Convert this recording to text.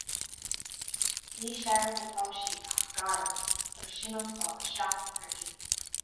Ní searbh atá sí ach garbh agus sin an fáth a seachantar í